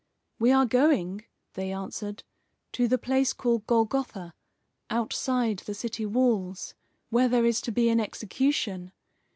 "We are going," they answered, "to the place called Golgotha, outside the city walls, where there is to be an execution.